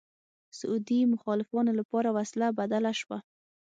سعودي مخالفانو لپاره وسله بدله شوه